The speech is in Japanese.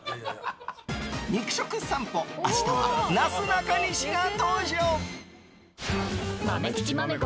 肉食さんぽ明日はなすなかにしが登場。